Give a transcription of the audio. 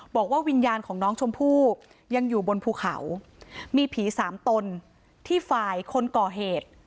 บอกว่าวิญญาณของน้องชมพู่ยังอยู่บนภูเขามีผีสามตนที่ฝ่ายคนก่อเหตุ